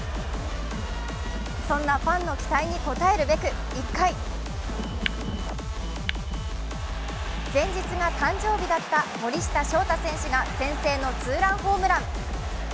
そんなファンの期待に応えるべく１回、前日が誕生日だった森下翔太選手が先制のツーランホームラン。